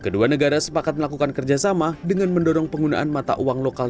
kedua negara sepakat melakukan kerjasama dengan mendorong penggunaan mata uang lokal